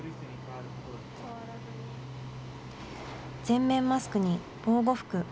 全面マスクに防護服。